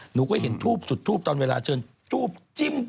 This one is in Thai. หนูก็เห็นทูบจุดทูปตอนเวลาเชิญทูบจิ้ม